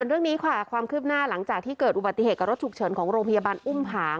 เรื่องนี้ค่ะความคืบหน้าหลังจากที่เกิดอุบัติเหตุกับรถฉุกเฉินของโรงพยาบาลอุ้มผาง